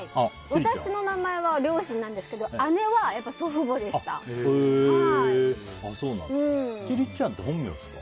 私の名前は両親なんですけど千里ちゃんって本名ですか？